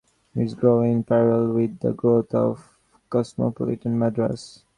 It grew in parallel with the growth of cosmopolitan Madras.